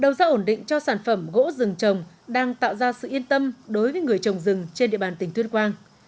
đầu ra ổn định cho sản phẩm gỗ rừng trồng đang tạo ra sự yên tâm đối với người trồng rừng trên địa bàn tỉnh tuyên quang